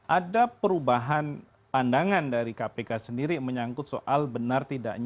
ada perubahan pandangan dari kpk sendiri menyangkut soal benar tidaknya